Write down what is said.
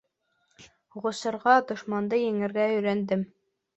Һуғышырға, дошманды еңергә өйрәндем.